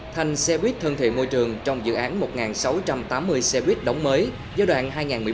thành xe buýt thân thiện môi trường trong dự án một nghìn sáu trăm tám mươi xe buýt đóng mới giai đoạn hai nghìn một mươi bốn hai nghìn một mươi bảy